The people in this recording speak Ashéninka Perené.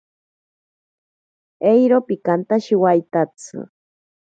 Eiro pikantashiwaitatsi.